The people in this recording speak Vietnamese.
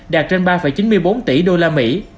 đạt trên ba chín mươi bốn tỷ usd